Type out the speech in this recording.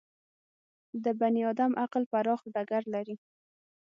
د بني ادم عقل پراخ ډګر لري.